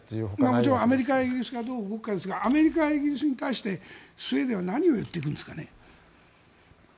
もちろんアメリカやイギリスがどう動くかですがアメリカやイギリスに対してスウェーデンは何を言っていくんですかね？